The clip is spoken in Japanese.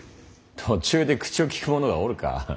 途中で口を利く者がおるか。